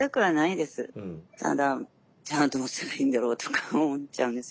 ただじゃあどうしたらいいんだろうとか思っちゃうんですよね。